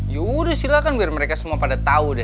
yaudah silahkan biar mereka semua pada tau deh